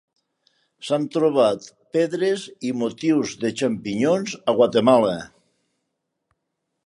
S'han trobat pedres i motius de xampinyons a Guatemala.